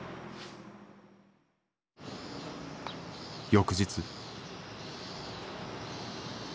翌日。